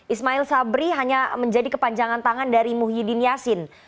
ismail sabri hanya menjadi kepanjangan tangan dari muhyiddin yassin